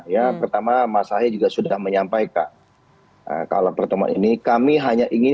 ya pertama mas ahi juga sudah menyampaikan kalau pertemuan ini